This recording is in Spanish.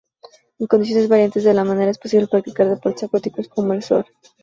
En condiciones variantes de la marea, es posible practicar deportes acuáticos como el surf.